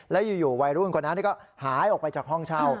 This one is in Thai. แล้วอยู่วัยรุ่นคนนั้นก็หายออกไปจากห้องเช่า